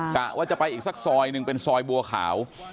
กะว่าจะไปอีกสักซอยหนึ่งเป็นซอยบัวขาว